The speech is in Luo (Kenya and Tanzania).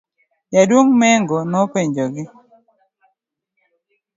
jaduong' Mengo nopenjogi